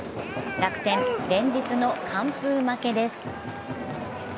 楽天、連日の完封負けです。